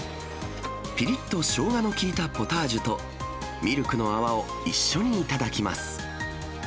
ぴりっとしょうがの効いたポタージュと、ミルクの泡を一緒に頂きます。